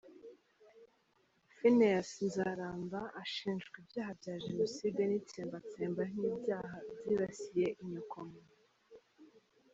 Pheneas Nzaramba ashinjwa ibyaha bya jenoside n’itsembatsemba nk’ibyaha byibasiye inyokomuntu.